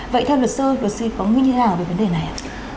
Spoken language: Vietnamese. vậy theo luật sư luật sư có nguyên nhân nào về vấn đề này ạ